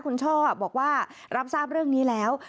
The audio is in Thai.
คุณช่อบอกว่ารับทราบเรื่องนี้แล้ว